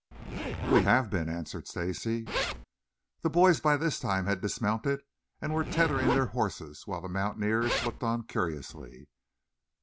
"We have been," answered Stacy. The boys by this time had dismounted and were tethering their horses while the mountaineers looked on curiously.